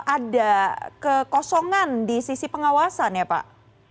ada kekosongan di sisi pengawasan ya pak